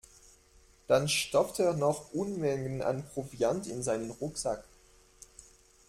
Dann stopfte er noch Unmengen an Proviant in seinen Rucksack.